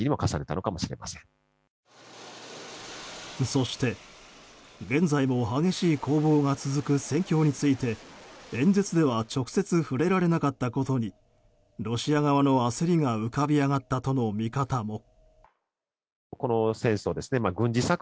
そして現在も激しい攻防が続く戦況について演説では直接触れられなかったことにロシア側の焦りが浮かび上がったとの見方も。